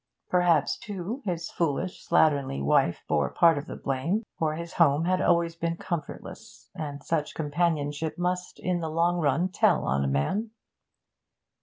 Perhaps, too, his foolish, slatternly wife bore part of the blame, for his home had always been comfortless, and such companionship must, in the long run, tell on a man.